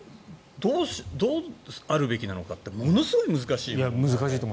どうあるべきなのかってものすごい難しい。